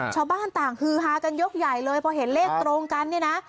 ชาวบ้านต่างฮือฮากันยกใหญ่เลยพอเห็นเลขตรงกันเนี่ยนะ